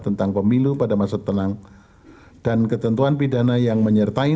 tentang pemilu pada masa tenang dan ketentuan pidana yang menyertai